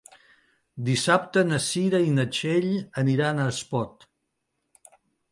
Dissabte na Cira i na Txell aniran a Espot.